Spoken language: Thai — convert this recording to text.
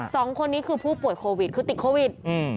สองคนนี้คือผู้ป่วยโควิดคือติดโควิดอืม